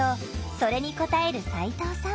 それに応える齋藤さん。